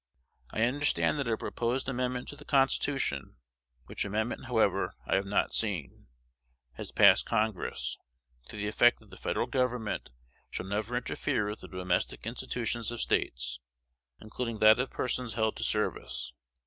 I understand that a proposed amendment to the Constitution (which amendment, however, I have not seen) has passed Congress, to the effect that the Federal Government shall never interfere with the domestic institutions of States, including that of persons held to service.